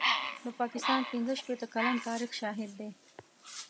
د پاکستان پنځه شپېته کلن تاریخ شاهد دی.